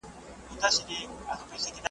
د ژوندانه طرز روغتیا سره څه اړیکه لري؟